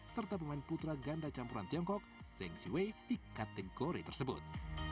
serta pemain putra ganda campuran tiongkok zeng siwei di kategori tersebut